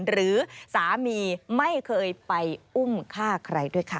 หรือสามีไม่เคยไปอุ้มฆ่าใครด้วยค่ะ